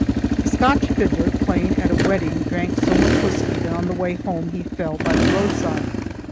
A Scotch fiddler playing at a wedding drank so much whiskey that on the way home he fell by the roadside.